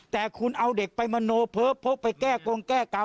แต่คุณเอาเด็กไปมโนเพ้อพกไปแก้กงแก้กรรม